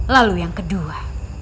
lalu yang kedua